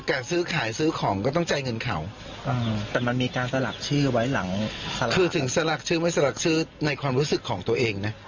คือถึงสลักชื่อหรือไม่สลักชื่อในความรู้สึกของตัวเองนะ